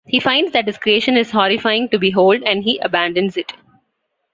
He finds that his creation is horrifying to behold, and he abandons it.